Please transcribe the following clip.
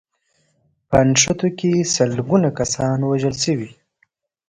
په نښتو کې سلګونه کسان وژل شوي